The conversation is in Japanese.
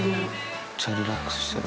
めっちゃリラックスしてる。